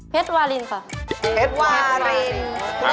วาลินค่ะเพชรวาริน